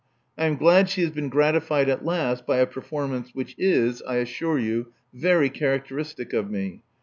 I am glad she has been gratified at last by a performance which is, I assure you, very characteristic of me.